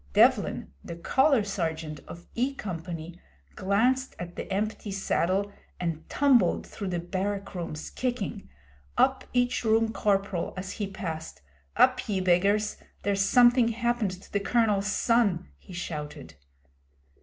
Devlin, the Colour Sergeant of E Company, glanced at the empty saddle and tumbled through the barrack rooms, kicking; up each Room Corporal as he passed. 'Up, ye beggars! There's something happened to the Colonel's son,' he shouted.